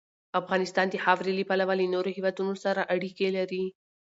افغانستان د خاورې له پلوه له نورو هېوادونو سره اړیکې لري.